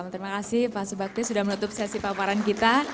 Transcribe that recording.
terima kasih pak subakti sudah menutup sesi paparan kita